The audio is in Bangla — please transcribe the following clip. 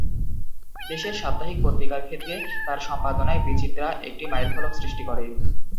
দেশের সাপ্তাহিক পত্রিকার ক্ষেত্রে তাঁর সম্পাদনায় বিচিত্রা একটি মাইলফলক সৃষ্টি করে।